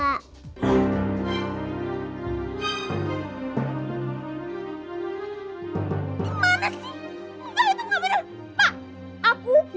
enggak itu nggak benar